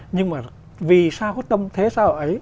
nhưng mà vì sao có tâm thế xã hội ấy